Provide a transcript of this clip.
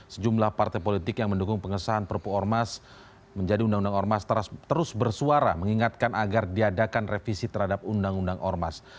sejumlah partai politik yang mendukung pengesahan perpu ormas menjadi undang undang ormas terus bersuara mengingatkan agar diadakan revisi terhadap undang undang ormas